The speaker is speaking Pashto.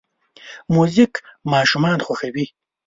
موزیک ماشومان خوښوي.